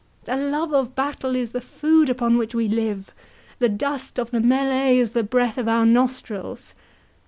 The love of battle is the food upon which we live—the dust of the 'melee' is the breath of our nostrils!